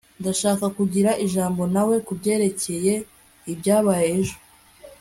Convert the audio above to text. ndashaka kugira ijambo nawe kubyerekeye ibyabaye ejo